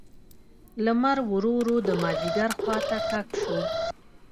لمر ورو ورو د مازیګر خوا ته کږ شو.